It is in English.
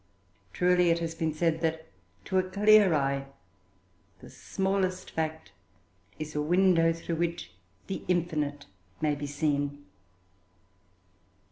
Truly it has been said, that to a clear eye the smallest fact is a window through which the Infinite may be seen.